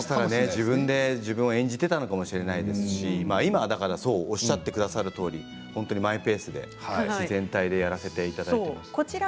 自分で自分を演じていたのかもしれないですけど今おっしゃってくださったとおりマイペースで自然体でやらせていただいています。